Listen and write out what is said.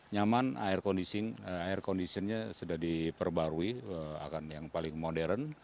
nyaman air conditionnya sudah diperbarui akan yang paling modern